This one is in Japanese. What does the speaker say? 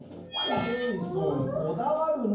ジェイソンこだわるね。